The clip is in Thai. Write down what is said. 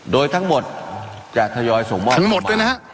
โดยทั้งหมดจัดทยอยส่งหม้อประมาณ